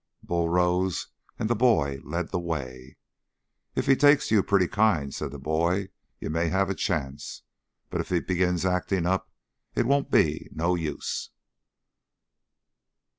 Bull rose, and the boy led the way. "If he takes to you pretty kind," said the boy, "you may have a chance. But if he begins acting up, it won't be no use."